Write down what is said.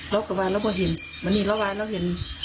เราก็ว่าเรามักเห็น